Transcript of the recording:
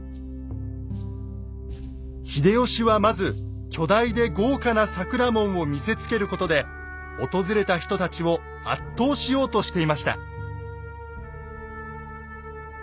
秀吉はまず巨大で豪華な桜門を見せつけることで訪れた人たちを圧倒しようとしていました。